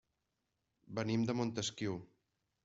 Venim de Montesquiu.